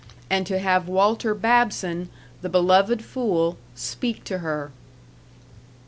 And to have Walter Babson, the beloved fool, speak to her.